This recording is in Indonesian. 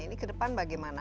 ini ke depan bagaimana